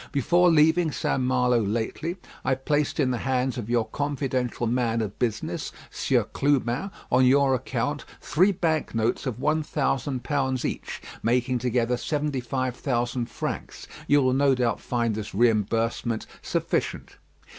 Before leaving St. Malo lately, I placed in the hands of your confidential man of business, Sieur Clubin, on your account three bank notes of one thousand pounds each; making together seventy five thousand francs. You will no doubt find this reimbursement sufficient.